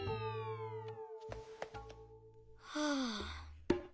はあ。